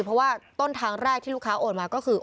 เพราะว่าต้นทางแรกที่ลูกค้าโอนมาก็คือ